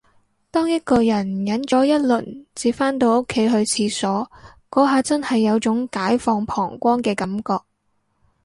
當一個人忍咗一輪至返到屋企去廁所，嗰下真係有種解放膀胱嘅感覺